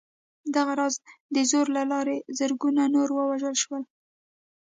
دغه راز د زور له لارې زرګونه نور ووژل شول